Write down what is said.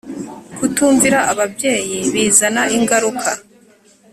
kutumvira ababyeyi bizana ingaruka